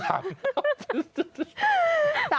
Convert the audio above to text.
มันไม่มีสาม